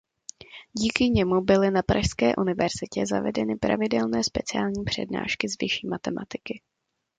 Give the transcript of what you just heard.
Díky němu byly na pražské univerzitě zavedeny pravidelné speciální přednášky z vyšší matematiky.